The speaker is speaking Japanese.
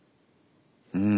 うん。